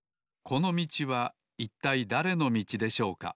このみちはいったいだれのみちでしょうか？